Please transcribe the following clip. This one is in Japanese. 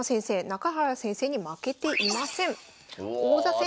中原先生に負けていません。